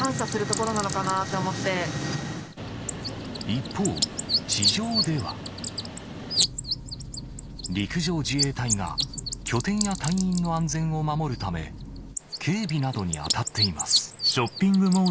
一方地上では陸上自衛隊が拠点や隊員の安全を守るため警備などに当たっています